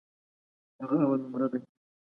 هغه اولنومره دی.